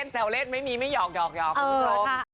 แซวเล่นไม่มีไม่หอกคุณผู้ชม